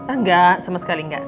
enggak sama sekali enggak